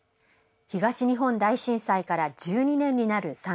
東日本大震災から１２年になる３月。